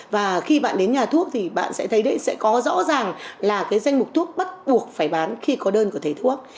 và khi bạn đến nhà thuốc thì bạn sẽ thấy đấy sẽ có rõ ràng là cái danh mục thuốc bắt buộc phải bán khi có đơn của thầy thuốc